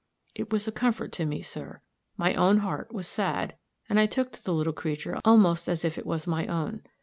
It was a comfort to me, sir. My own heart was sad, and I took to the little creature almost as if it was my own.